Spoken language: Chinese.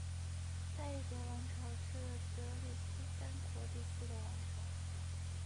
赛义德王朝是德里苏丹国第四个王朝。